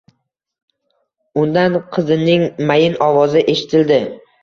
Undan qizining mayin ovozi eshitildi